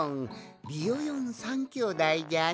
ビヨヨン３きょうだいじゃな。